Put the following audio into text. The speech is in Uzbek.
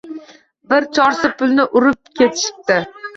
Bir chorsi pulni urib ketishibdi.